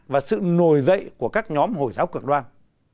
và sự nổi dậy của các nhóm hồi giáo cực đoan